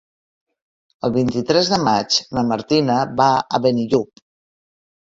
El vint-i-tres de maig na Martina va a Benillup.